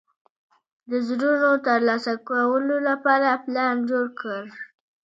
د زړونو ترلاسه کولو لپاره پلان جوړ کړ.